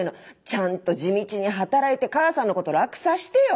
ちゃんと地道に働いて母さんのこと楽さしてよ！